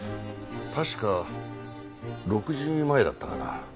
確か６時前だったかな。